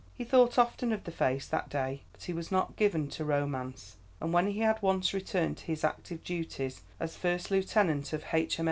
_"] He thought often of the face that day, but he was not given to romance, and when he had once returned to his active duties as first lieutenant of H.